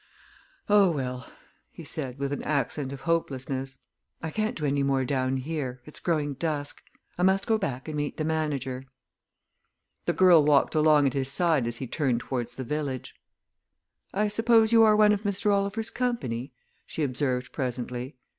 "Oh, well," he said, with an accent of hopelessness. "I can't do any more down here, it's growing dusk. I must go back and meet the manager." The girl walked along at his side as he turned towards the village. "I suppose you are one of Mr. Oliver's company?" she observed presently.